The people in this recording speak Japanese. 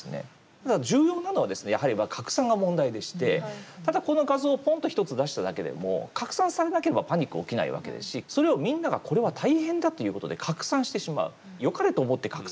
ただ重要なのはですねやはり拡散が問題でしてただこの画像をポンと１つ出しただけでも拡散されなければパニックは起きないわけですしそれをみんながこれは大変だということで拡散してしまう。